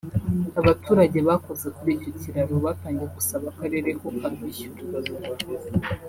Abaturage bakoze kuri icyo kiraro batangiye gusaba akarere ko kabishyura